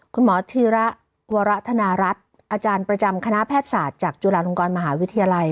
ธีระวรธนารัฐอาจารย์ประจำคณะแพทยศาสตร์จากจุฬาลงกรมหาวิทยาลัย